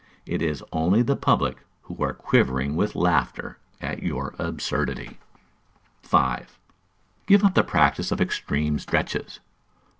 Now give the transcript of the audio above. It is only the public who are quivering with laughter at your absurdity. 5. Give up the practice of extreme stretches.